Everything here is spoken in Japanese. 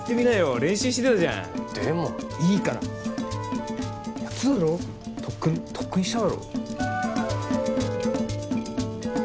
練習してたじゃんでもいいからやってただろ特訓特訓しただろ